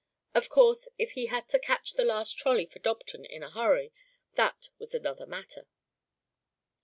Of course if he had to catch the last trolley for Dobton in a hurry, that was another matter.